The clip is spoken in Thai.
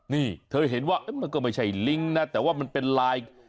นี่เธอเห็นว่ามันก็ไม่ใช่ลิงก์นะแต่ว่ามันเป็นลาย